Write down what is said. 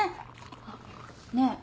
あっねえ